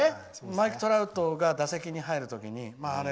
マイク・トラウトが打席に入る時にね。